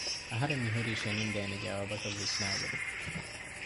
އަހަރެން މިހުރީ ޝެނިން ދޭނެ ޖަވާބަކަށް ވިސްނައިގެން